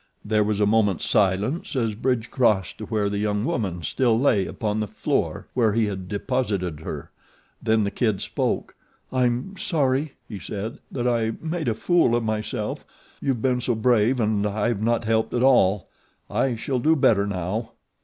There was a moment's silence as Bridge crossed to where the young woman still lay upon the floor where he had deposited her. Then The Kid spoke. "I'm sorry," he said, "that I made a fool of myself. You have been so brave, and I have not helped at all. I shall do better now."